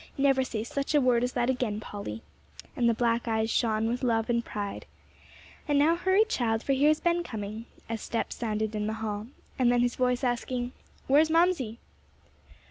Never say such a word as that again, Polly!" and the black eyes shone with love and pride. "And now hurry, child, for here's Ben coming," as steps sounded in the hall, and then his voice asking, "Where's Mamsie?"